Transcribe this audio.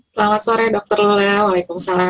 selamat sore dokter lula waalaikumsalam